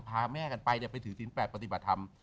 พาแม่กันไปไปถือศีลแปดปฏิบัติธรรม